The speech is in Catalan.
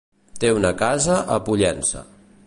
Té una casa a Pollença.